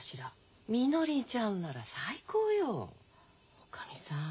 おかみさん